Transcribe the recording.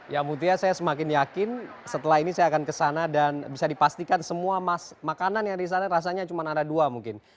ya mutia saya semakin yakin setelah ini saya akan kesana dan bisa dipastikan semua makanan yang di sana rasanya cuma ada dua mungkin